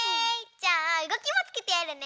じゃあうごきもつけてやるね。